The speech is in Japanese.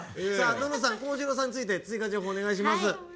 暖乃さん、皓志郎さんについて追加情報お願いします。